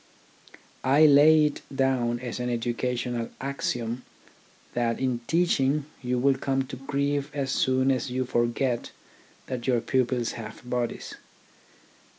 I lay it down as an educational axiom that in teaching you will come to grief as soon as you forget that your pupils have bodies.